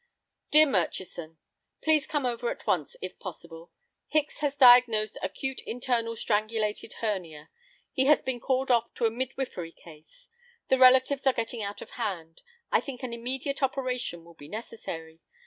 "Dear Murchison,—Please come over at once, if possible. Hicks has diagnosed acute internal strangulated hernia. He has been called off to a midwifery case. The relatives are getting out of hand. I think an immediate operation will be necessary.